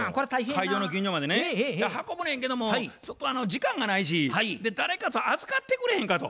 会場の近所までね運ぶねんけども時間がないし誰か預かってくれへんかと。